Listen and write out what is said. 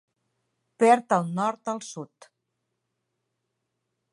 Perd el nord al sud.